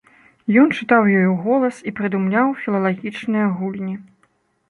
Ён чытаў ёй уголас і прыдумляў філалагічныя гульні.